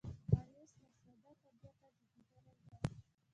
ښایست له ساده طبعیته زیږېدلی دی